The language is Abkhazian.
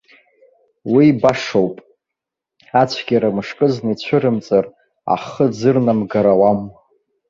Уи башоуп, ацәгьара мышкызны ицәырымҵыр, ахы ӡырнамгар ауам.